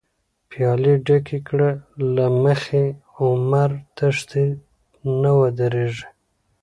پیالی ډکی کړه له مخی، عمر تښتی نه ودریږی